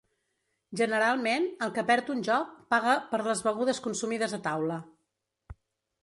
Generalment, el que perd un joc paga per les begudes consumides a taula.